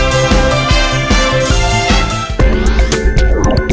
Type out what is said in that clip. สวัสดีค่ะ